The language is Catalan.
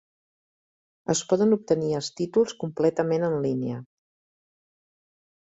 Es poden obtenir els títols completament en línia.